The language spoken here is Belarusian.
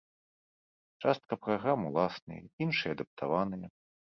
Частка праграм уласныя, іншыя адаптаваныя.